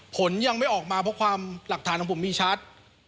ผลยังไม่ออกมาเพราะความหลักฐานของผมมีชัด